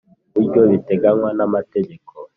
Buryo biteganywa n’amategeko.